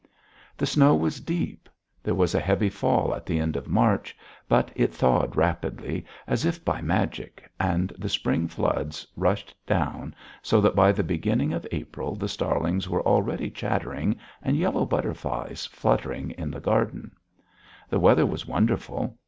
The snow was deep; there was a heavy fall at the end of March, but it thawed rapidly, as if by magic, and the spring floods rushed down so that by the beginning of April the starlings were already chattering and yellow butterflies fluttered in the garden. The weather was wonderful.